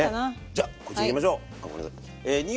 じゃこちらいきましょう。